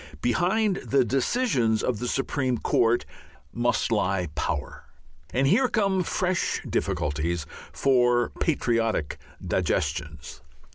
Behind the decisions of the Supreme Court must lie power. And here come fresh difficulties for patriotic digestions.